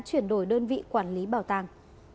chuyển đổi đơn vị quản lý bảo tàng